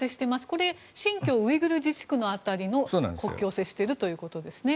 これは新疆ウイグル自治区で国境を接しているということですね。